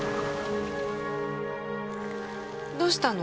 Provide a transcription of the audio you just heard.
どうしたの？